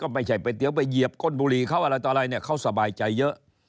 ไม่ใช่ก๋วยเตี๋ยวไปเหยียบก้นบุหรี่เขาอะไรต่ออะไรเนี่ยเขาสบายใจเยอะ